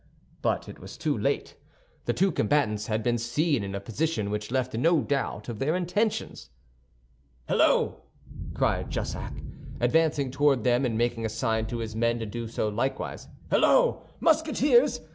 But it was too late. The two combatants had been seen in a position which left no doubt of their intentions. "Halloo!" cried Jussac, advancing toward them and making a sign to his men to do so likewise, "halloo, Musketeers?